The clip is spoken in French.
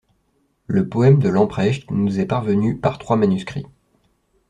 Le poème de Lamprecht nous est parvenu par trois manuscrits.